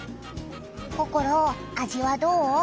ココロ味はどう？